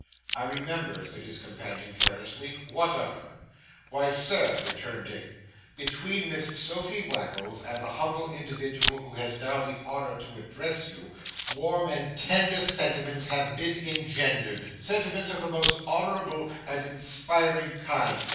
'I remember,' said his companion carelessly. 'What of her?' 'Why, sir,' returned Dick, 'between Miss Sophia Wackles and the humble individual who has now the honor to address you, warm and tender sentiments have been engendered, sentiments of the most honourable and inspiring kind.